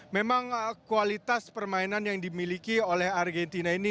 memang kualitas permainan yang dimiliki oleh argentina ini